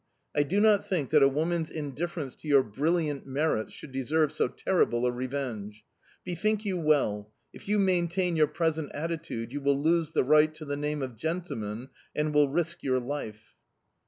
I do not think that a woman's indifference to your brilliant merits should deserve so terrible a revenge. Bethink you well: if you maintain your present attitude, you will lose the right to the name of gentleman and will risk your life."